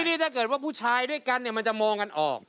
วันนี้ถ้าเกิดว่าผู้ชายด้วยกันมันจะโมงกันออก